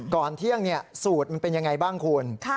ก่อนเที่ยงสูตรมันเป็นยังไงบ้างคุณ